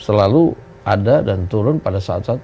selalu ada dan turun pada saat saat